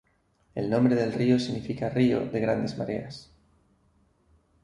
El nombre del río significa río de grandes mareas.